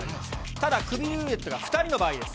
ただ、クビルーレットが２人の場合です。